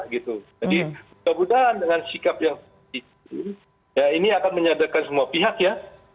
jadi kemudian dengan sikap yang seperti itu ini akan menyadarkan semua pihak ya